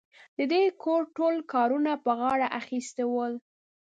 دې د کور ټول کارونه په غاړه اخيستي ول.